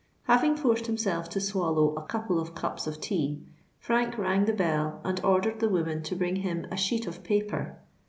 Having forced himself to swallow a couple of cups of tea, Frank rang the bell and ordered the woman to bring him a sheet of paper.